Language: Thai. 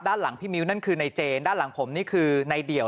ด้านหลังพี่มิ้วนั่นคือในเจนด้านหลังผมนี่คือในเดี่ยว